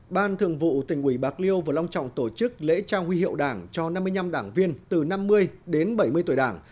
ban thường vụ tỉnh ủy bạc liêu vừa long trọng tổ chức lễ trao huy hiệu đảng cho năm mươi năm đảng viên từ năm mươi đến bảy mươi tuổi đảng